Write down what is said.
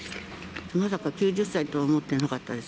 まさか９０歳だとは思っていなかったです。